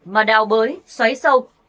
mà đào bới xoáy sâu